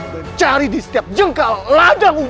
dan cari di setiap jengkal ladang ubi ini